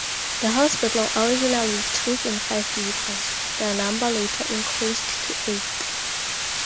The hospital originally took in five lepers, their number later increased to eight.